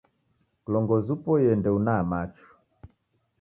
Kilongozi upoie ndeunaa machu.